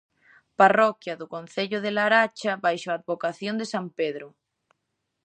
Parroquia do concello da Laracha baixo a advocación de san Pedro.